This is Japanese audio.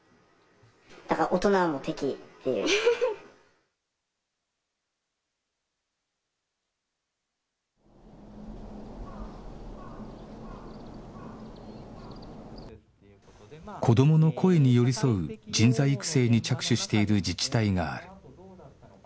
だから子どもの声に寄り添う人材育成に着手している自治体がある